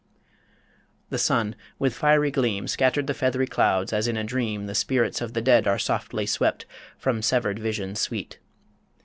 The sun, with fiery gleam, Scattered the feath'ry clouds, as in a dream The spirits of the dead are softly swept From severed visions sweet.